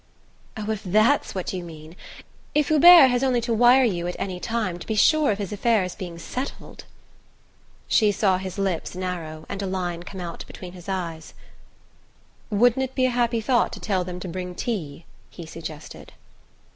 "Oh, if THAT'S what you mean if Hubert has only to wire you at any time to be sure of his affairs being settled !" She saw his lips narrow and a line come out between his eyes. "Wouldn't it be a happy thought to tell them to bring tea?" he suggested.